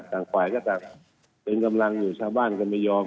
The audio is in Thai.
ต่างฝ่ายก็ต่างเป็นกำลังอยู่ชาวบ้านก็ไม่ยอม